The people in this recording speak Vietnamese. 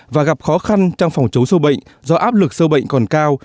và gặp khó khăn trong phòng chống sâu bệnh do áp lực sâu bệnh còn cao